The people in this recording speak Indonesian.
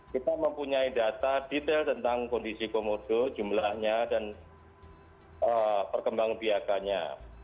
kita mempunyai data detail tentang kondisi komodo jumlahnya dan perkembangan biakannya